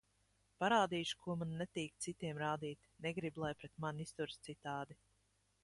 Parādīšu, ko man netīk citiem rādīt, negribu, lai pret mani izturas citādi.